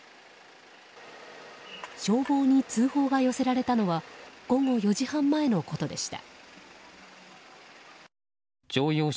消防に通報が寄せられたのは午後４時半前のことでした。